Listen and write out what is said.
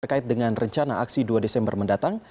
terkait dengan rencana aksi dua desember mendatang